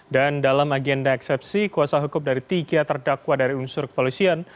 dan dalam agenda eksepsi kuasa hukum dari tiga terdakwa dari unsur kepolisian